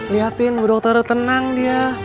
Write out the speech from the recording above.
liatin bu dokter tenang dia